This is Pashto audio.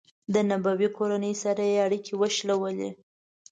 د نبوي کورنۍ سره یې اړیکې وشلولې.